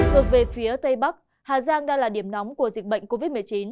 ngược về phía tây bắc hà giang đang là điểm nóng của dịch bệnh covid một mươi chín